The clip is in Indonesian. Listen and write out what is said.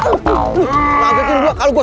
gua dibawa kemana weh